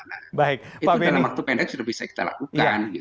nah itu dalam waktu pendek sudah bisa kita lakukan